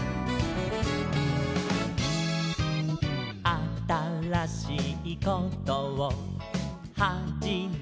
「あたらしいことをはじめましょう」